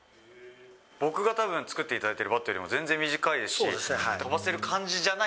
僕がたぶん、作っていただいているバットよりも全然短いですし、飛ばせる感じじゃない。